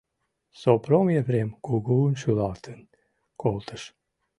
Сопром Епрем кугун шӱлалтен колтыш.